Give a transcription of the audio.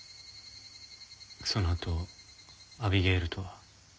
そのあとアビゲイルとは？